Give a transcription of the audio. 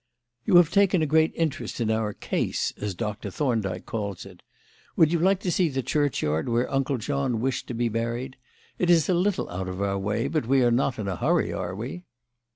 "You have taken a great interest in our 'case,' as Doctor Thorndyke calls it. Would you like to see the churchyard where Uncle John wished to be buried? It is a little out of our way, but we are not in a hurry, are we?"